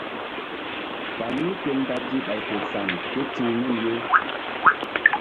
Falu ke ndazi ɓay fe saŋ ké ti̧h nun ye.